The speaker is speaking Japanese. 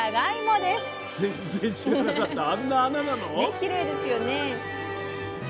きれいですよね。